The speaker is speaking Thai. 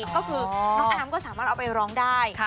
ก็คือน้องอาร์มก็สามารถเอาไปร้องได้